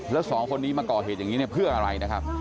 แล้วสองคนนี้มาก่อเหตุอย่างนี้เนี่ยเพื่ออะไรนะครับ